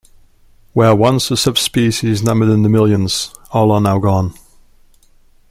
Where once the subspecies numbered in the millions, all are now gone.